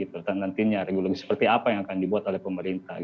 tentang nantinya regulasi seperti apa yang akan dibuat oleh pemerintah